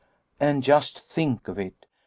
' And just think of it !